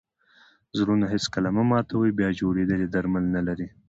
زړونه هېڅکله مه ماتوئ! بیا جوړېدل ئې درمل نه لري.